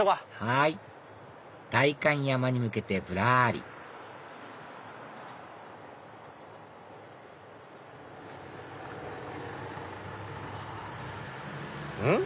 はい代官山に向けてぶらりうん？